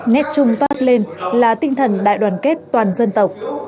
nét chung toát lên là tinh thần đại đoàn kết toàn dân tộc